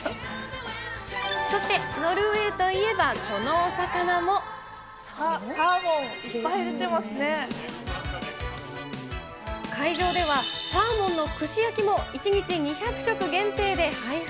そしてノルウェーといえば、あっ、サーモン、いっぱい出会場では、サーモンの串焼きも１日２００食限定で配布。